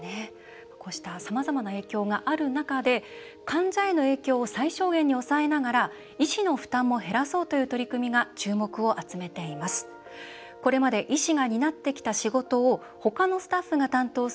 こうしたさまざまな影響がある中で患者への影響を最小限に減らしながら医師の負担も減らそうという取り組みが注目を集めています。